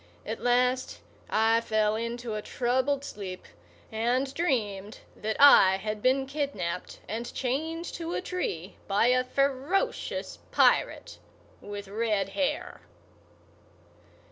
At last, I fell into a troubled sleep, and dreamed that I had been kidnapped and chained to a tree by a ferocious pirate with red hair.